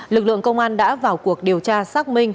lực lượng công an đã vào cuộc điều tra xác minh